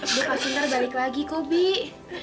dia pasti nanti balik lagi kok bik